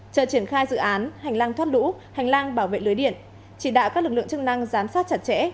chờ triển khai dự án hành lang thoát lũ hành lang bảo vệ lưới điện chỉ đạo các lực lượng chức năng giám sát chặt chẽ